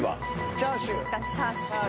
チャーシュー。